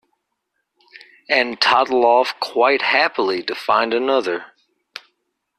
And toddle off quite happily to find another.